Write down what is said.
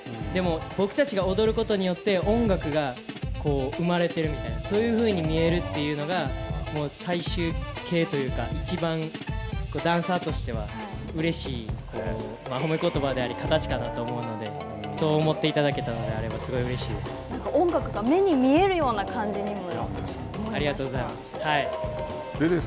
僕たちが踊ることによって音楽が生まれているみたいな、そういうふうに見えるというのが最終形というか、いちばんダンサーとしてはうれしい、褒めことばであり、形かなと思うので、そう思っていただけたのであれば、すごいうれなんか音楽が目に見えるようなありがとうございます。